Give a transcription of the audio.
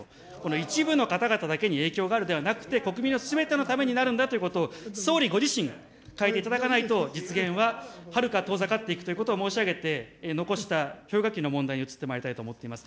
一部の方々に影響があるのではなくて、国民のすべてのためになるんだということを、総理ご自身が変えていただかないと実現ははるか遠ざかっていくということを申し上げて、残した氷河期の問題に移ってまいりたいと思っております。